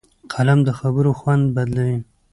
قلم د خبرو خوند بدلوي